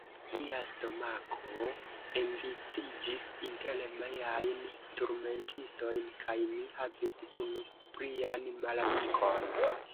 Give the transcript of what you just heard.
Mia stomako enviciĝis inter miajn turmentistojn, kaj mi havis unu plian malamikon.